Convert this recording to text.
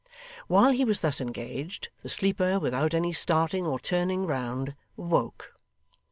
While he was thus engaged, the sleeper, without any starting or turning round, awoke.